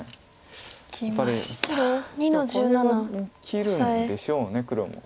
切るんでしょう黒も。